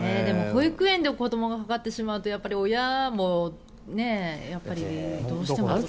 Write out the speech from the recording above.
でも、保育園で子供がかかってしまうとやっぱり親もどうしても。